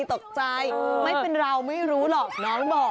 ตกใจไม่เป็นเราไม่รู้หรอกน้องบอก